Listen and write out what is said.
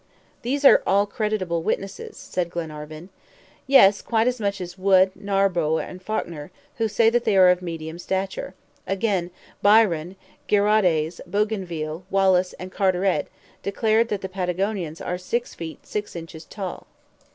"These are all credible witnesses," said Glenarvan. "Yes, quite as much as Wood, Narborough, and Falkner, who say they are of medium stature. Again, Byron, Giraudais, Bougainville, Wallis, and Carteret, declared that the Patagonians are six feet six inches tall."